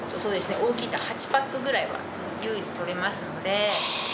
大きいと８パックくらいは優に取れますので。